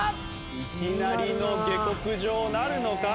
いきなりの下克上なるのか？